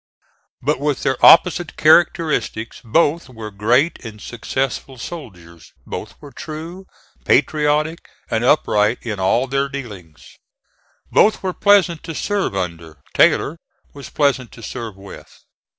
But with their opposite characteristics both were great and successful soldiers; both were true, patriotic and upright in all their dealings. Both were pleasant to serve under Taylor was pleasant to serve with.